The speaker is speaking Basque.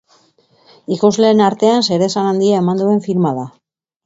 Ikusleen artean, zeresan handia eman duen filma da.